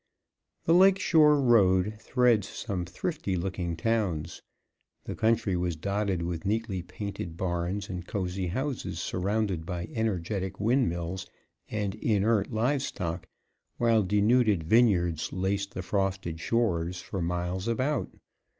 The Lake Shore road threads some thrifty looking towns. The country was dotted with neatly painted barns and cozy houses, surrounded by energetic windmills and inert live stock, while denuded vineyards laced the frosted shores for miles about.